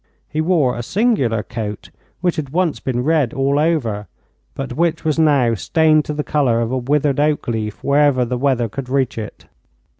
He wore a singular coat which had once been red all over, but which was now stained to the colour of a withered oak leaf wherever the weather could reach it.